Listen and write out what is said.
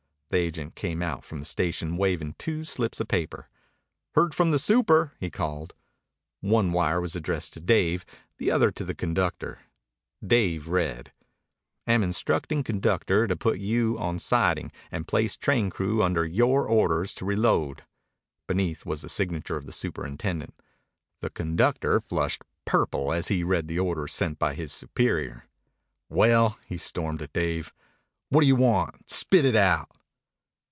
The agent came out from the station waving two slips of paper. "Heard from the super," he called. One wire was addressed to Dave, the other to the conductor. Dave read: Am instructing conductor to put you on siding and place train crew under your orders to reload. Beneath was the signature of the superintendent. The conductor flushed purple as he read the orders sent by his superior. "Well," he stormed at Dave. "What do you want? Spit it out!"